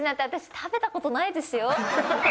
食べたことないんですか？